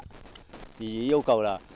thì yêu cầu là